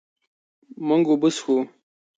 مونږ اوبه څښو.